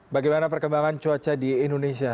bagaimana perkembangan cuaca di indonesia